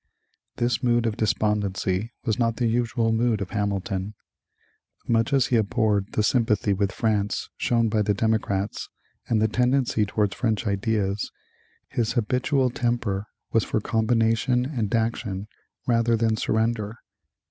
This mood of despondency was not the usual mood of Hamilton. Much as he abhorred the sympathy with France shown by the Democrats and the tendency towards French ideas, his habitual temper was for combination and action rather than surrender.